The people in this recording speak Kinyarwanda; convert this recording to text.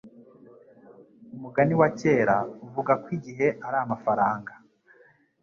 Umugani wa kera uvuga ko igihe ari amafaranga.